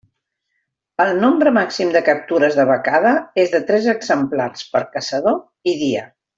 El nombre màxim de captures de becada és de tres exemplars per caçador i dia.